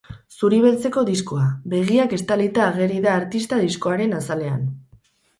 Zuri beltzeko diskoa, begiak estalita ageri da artista diskoaren azalean.